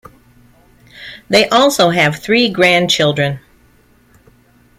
They also have three grandchildren.